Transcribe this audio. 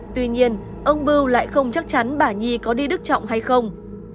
tuy nhiên ông bưu lại không chắc chắn bà nhi có đi đức trọng hay không